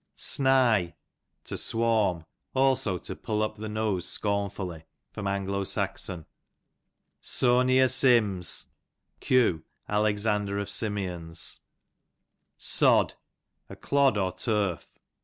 Snye, to swarm ; also to pull up the nose scornfully. A. S. Soany o Sims, q. Alexander of Simeons, Sod, a clod, or turf.